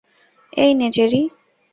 এই নে, জেরি।